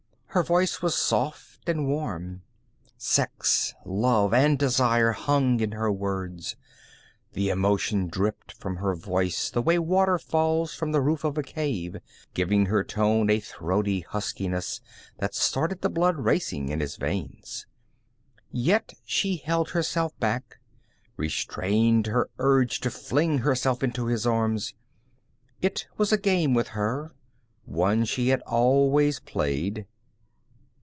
Her voice was soft and warm. Sex, love and desire hung in her words; the emotion dripped from her voice the way water falls from the roof of a cave, giving her tone a throaty huskiness that started the blood racing in his veins. Yet she held herself back, restrained her urge to fling herself into his arms. It was a game with her, one she had always played.